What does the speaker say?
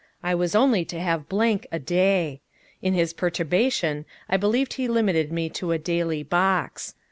I was only to have blank a day. In his perturbation I believe he limited me to a daily box.